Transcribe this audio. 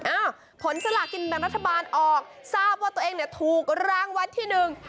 อ้าวผลสลากินแบ่งรัฐบาลออกทราบว่าตัวเองเนี่ยถูกรางวัลที่หนึ่ง